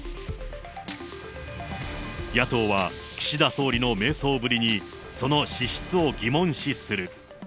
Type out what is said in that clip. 野党は岸田総理の迷走ぶりに、その資質を疑問視する。